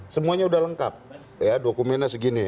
semuanya sudah lengkap ya dokumennya segini